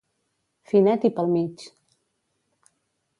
Finet i pel mig.